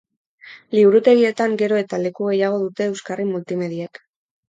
Liburutegietan gero eta leku gehiago dute euskarri multimediek.